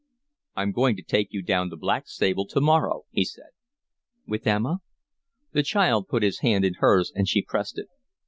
"I'm going to take you down to Blackstable tomorrow," he said. "With Emma?" The child put his hand in hers, and she pressed it.